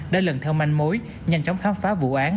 đã lần theo manh mối nhanh chóng khám phá vụ án